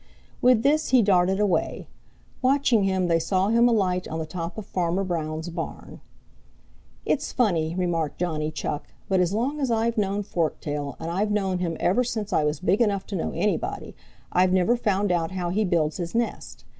With this he darted away. Watching him they saw him alight on the top of Farmer Brown's barn. "It's funny," remarked Johnny Chuck, "but as long as I've known Forktail, and I've known him ever since I was big enough to know anybody, I've never found out how he builds his nest.